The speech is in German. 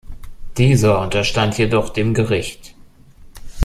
Dieser unterstand jedoch dem Gericht.